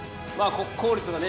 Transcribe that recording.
国公立がね